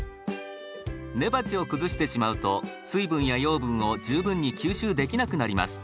根鉢を崩してしまうと水分や養分を十分に吸収できなくなります。